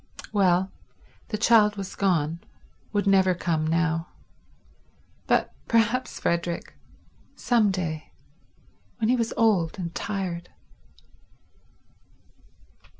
Well, the child was gone, would never come now; but perhaps Frederick—some day—when he was old and tired